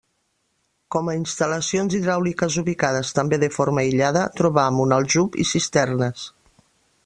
Com a instal·lacions hidràuliques ubicades també de forma aïllada trobam un aljub i cisternes.